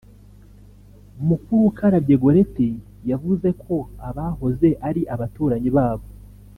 Mukurukarabye Goretti yavuze ko abahoze ari abaturanyi babo